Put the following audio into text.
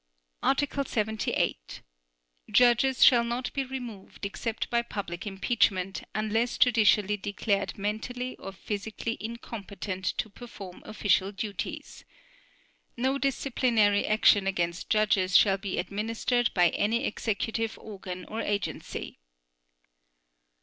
Article 78. Judges shall not be removed except by public impeachment unless judicially declared mentally or physically incompetent to perform official duties. No disciplinary action against judges shall be administered by any executive organ or agency.